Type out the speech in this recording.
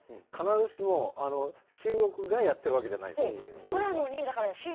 必ずしも中国がやっているわけじゃないんですよね。